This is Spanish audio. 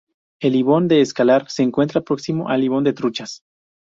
El ibón de Escalar se encuentra próximo al ibón de Truchas.